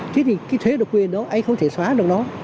thế thì cái thuế độc quyền đó anh không thể xóa được nó